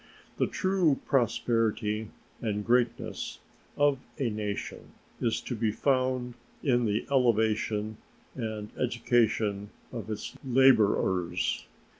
The true prosperity and greatness of a nation is to be found in the elevation and education of its laborers.